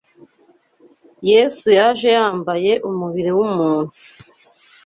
Yesu yaje yambaye umubiri w’umuntu